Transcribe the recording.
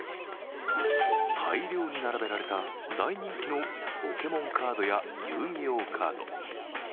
大量に並べられた大人気のポケモンカードや遊戯王カード。